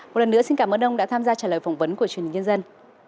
một lần nữa xin cảm ơn ông đã tham gia trả lời phỏng vấn của truyền hình nhân dân